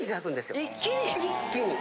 一気に？